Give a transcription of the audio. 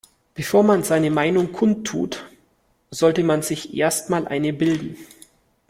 Bevor man seine Meinung kundtut, sollte man sich erst mal eine bilden.